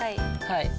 はい。